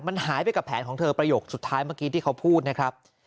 มันหายไปกับแผนของเธอประโยคสุดท้ายเมื่อกี้ที่เขาพูดนะครับ